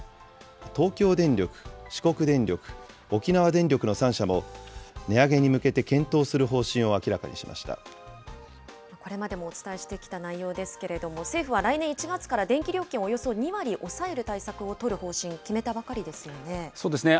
東京電力、四国電力、沖縄電力の３社も、値上げに向けて検討するこれまでもお伝えしてきた内容ですけれども、政府は来年１月から電気料金をおよそ２割抑える対策を取る方針、そうですね。